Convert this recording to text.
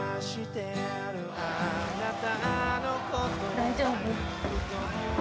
大丈夫？